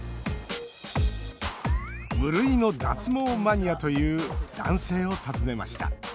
無類の脱毛マニアという男性を訪ねました。